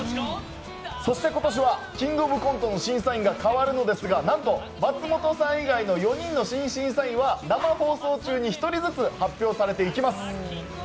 そして今年は「キングオブコント」の審査員が変わるのですがなんと松本さん以外の４人の新審査員は生放送中に１人ずつ発表されていきます。